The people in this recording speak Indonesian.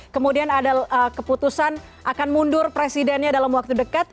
kemudian ada keputusan akan mundur presidennya dalam waktu dekat